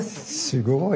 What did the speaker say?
すごい！